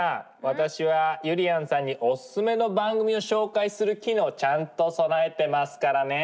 私はゆりやんさんにおすすめの番組を紹介する機能をちゃんと備えてますからね。